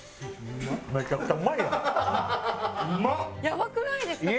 やばくないですか？